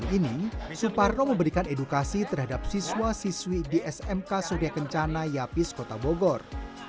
kini suparno memberikan edukasi terhadap siswa siswi di smk surya kencana yapis kota bogor